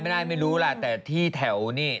ได้บ้างไม่ดูนะแต่ที่แถวนี้